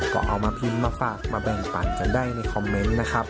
ก็เอามาพิมพ์มาฝากมาแบ่งฝันกันได้ในคอมเมนต์นะครับ